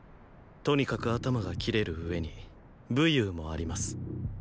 とにかく頭が切れる上に武勇もあります。